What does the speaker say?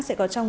sẽ có trong